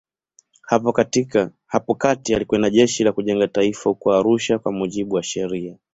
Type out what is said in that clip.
Hapo kati alikwenda Jeshi la Kujenga Taifa huko Arusha kwa mujibu wa sheria.